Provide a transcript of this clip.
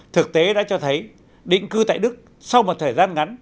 thực tế đã cho thấy định cư tại đức sau một thời gian ngắn